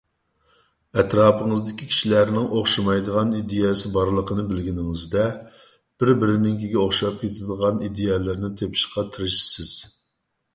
ئەتراپىڭىزدىكى كىشىلەرنىڭ ئوخشىمايدىغان ئىدىيەسى بارلىقىنى بىلگىنىڭىزدە، بىر-بىرىنىڭكىگە ئوخشاپ كېتىدىغان ئىدىيەلەرنى تېپىشقا تىرىشىسىز.